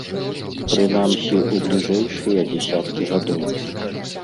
Прынамсі, у бліжэйшыя дзесяткі гадоў.